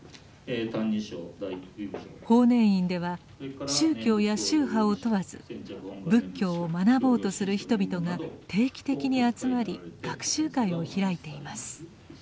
法然院では宗教や宗派を問わず仏教を学ぼうとする人々が定期的に集まり学習会を開いています。